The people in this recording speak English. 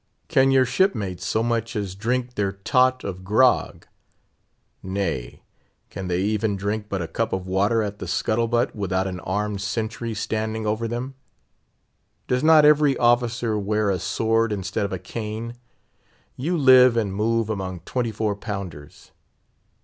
Can your shipmates so much as drink their "tot of grog?" nay, can they even drink but a cup of water at the scuttle butt, without an armed sentry standing over them? Does not every officer wear a sword instead of a cane? You live and move among twenty four pounders.